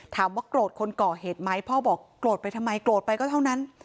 ถามว่าโกรธคนก่อเหตุไหมพ่อบอกโกรธไปทำไมโกรธไปก็เท่านั้น